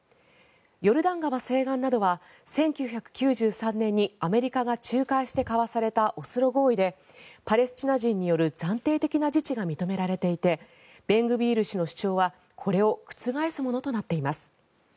ヨルダン川西岸などは１９９３年にアメリカが仲介して交わされたオスロ合意でパレスチナ人による暫定的な自治が認められていてベングビール氏の主張はこれを覆すものとなっています。